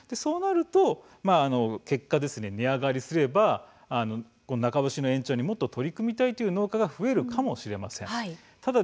その結果、値上がりすれば中干しの延長に取り組みたい農家が増えるかもしれません。